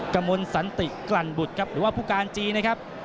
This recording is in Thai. กรรมลสันติร์กรรมบุตรครับหรือว่าภูกรานจีลนะครับ